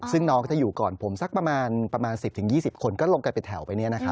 ซึ่งน้องก็จะอยู่ก่อนผมสักประมาณ๑๐๒๐คนก็ลงกันไปแถวไป